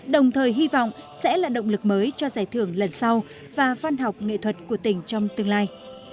đồng thời hy vọng sẽ là động lực mới cho giải thưởng lần sau và văn học nghệ thuật của tỉnh trong tương lai